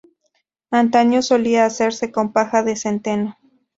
Antaño, solía hacerse con paja de centeno.